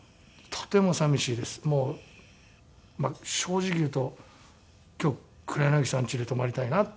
もう正直言うと今日黒柳さんちに泊まりたいなっていう。